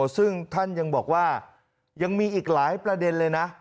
ซึ่งท่านยังบอกว่ายังมีอีกหลายประเด็นเลยนะ